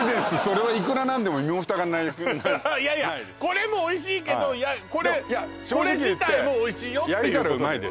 いやこれもおいしいけどこれ自体もおいしいよっていういや